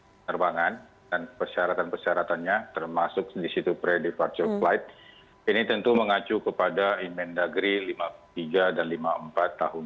penerbangan dan persyaratan persyaratannya termasuk di situ pre departual flight ini tentu mengacu kepada inmen dagri lima puluh tiga dan lima puluh empat tahun dua ribu dua puluh